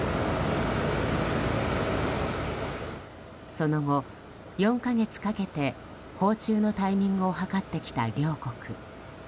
その後、４か月かけて訪中のタイミングを計ってきた両国。